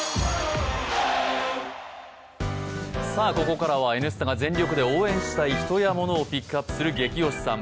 ここからは「Ｎスタ」が全力で応援したい人や物をピックアップする「ゲキ推しさん」